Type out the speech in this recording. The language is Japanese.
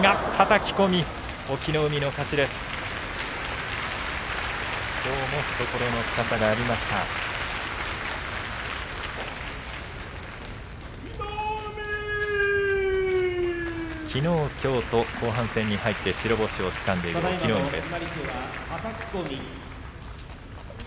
きのう、きょうと後半戦に入って白星をつかんでいる隠岐の海です。